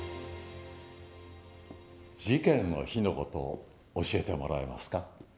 事件の日の事を教えてもらえますか？